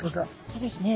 そうですね。